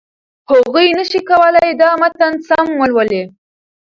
هغوی نشي کولای دا متن سم ولولي.